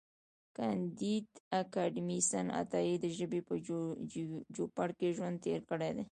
کانديد اکاډميسن عطایي د ژبې په چوپړ کې ژوند تېر کړی دی.